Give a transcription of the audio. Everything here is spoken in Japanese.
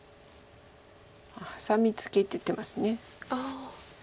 ハサミツケって言ってます。